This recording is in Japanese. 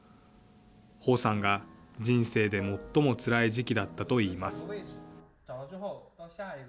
彭さんが人生で最もつらい時期だったといいます。